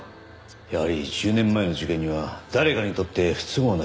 やはり１０年前の事件には誰かにとって不都合な真実がある。